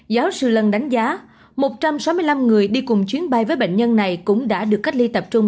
giáo sư lân đánh giá một trăm sáu mươi năm người đi cùng chuyến bay với bệnh nhân này cũng đã được cách ly tập trung